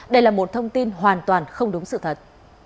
đây là một thông tin hoàn toàn không đúng sự thật